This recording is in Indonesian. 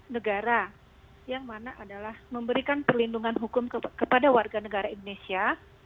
negara yang mana adalah memberikan perlindungan hukum kepada warga negara indonesia